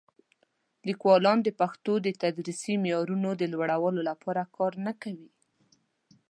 لیکوالان د پښتو د تدریسي معیارونو د لوړولو لپاره کار نه کوي.